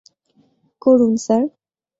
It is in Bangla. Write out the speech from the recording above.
করুন, স্যার।